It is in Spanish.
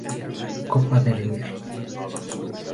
Copa del Emir